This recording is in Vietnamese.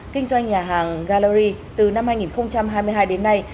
kinh doanh nhà hàng gallery từ năm hai nghìn hai mươi hai đến nay